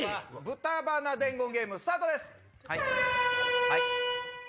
豚鼻伝言ゲームスタートです。